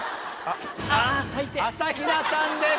朝日奈さんです。